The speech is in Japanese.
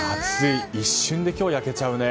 一瞬で今日焼けちゃうね。